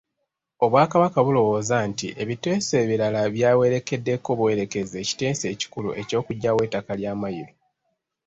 Obwakabaka bulowooza nti ebiteeso ebirala byawerekeddeko buwerekezi ekiteeso ekikulu eky'okuggyawo ettaka lya Mmayiro.